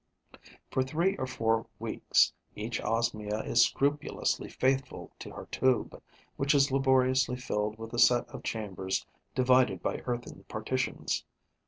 For three or four weeks, each Osmia is scrupulously faithful to her tube, which is laboriously filled with a set of chambers divided by earthen partitions.